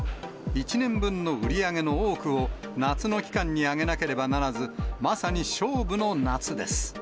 １年分の売り上げの多くを夏の期間に上げなければならず、まさに勝負の夏です。